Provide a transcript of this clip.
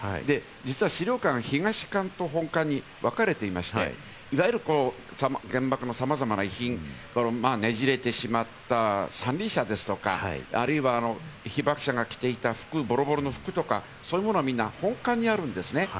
実は資料館は東館と本館にわかれていまして、いわゆる原爆のさまざまな遺品、ねじれてしまった三輪車ですとか、あるいは被爆者が着ていた服、ボロボロの服とか、そういうものはみんな本館にあるんです。